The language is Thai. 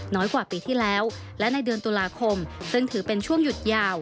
กว่าปีที่แล้วและในเดือนตุลาคมซึ่งถือเป็นช่วงหยุดยาว